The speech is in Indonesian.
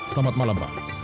selamat malam pak